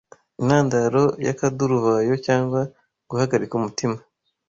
intandaro y’akaduruvayo cyangwa guhagarika umutima